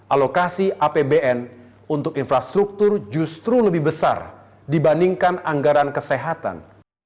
alokasi apbn untuk infrastruktur justru lebih besar dibandingkan anggaran kesehatan